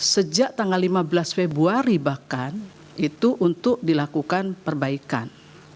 sejak tanggal lima belas februari bahkan itu untuk dilakukan perbaikan